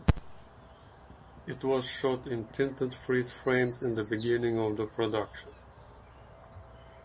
It was shot in tinted freeze frames in the beginning of the production.